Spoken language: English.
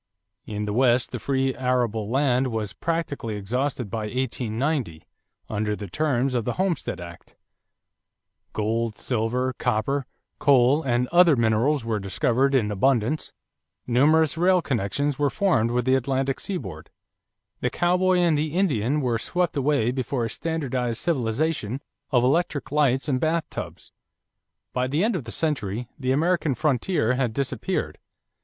In the West the free arable land was practically exhausted by 1890 under the terms of the Homestead Act; gold, silver, copper, coal and other minerals were discovered in abundance; numerous rail connections were formed with the Atlantic seaboard; the cowboy and the Indian were swept away before a standardized civilization of electric lights and bathtubs. By the end of the century the American frontier had disappeared.